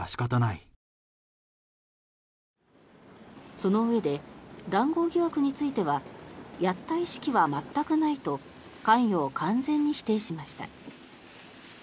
そのうえで談合疑惑についてはやった意識は全くないと関与を完全に否定しました。